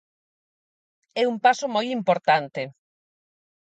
É un paso moi importante.